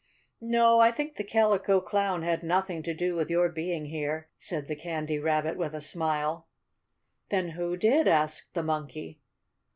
"No, I think the Calico Clown had nothing to do with your being here," said the Candy Rabbit with a smile. "Then who did?" asked the Monkey.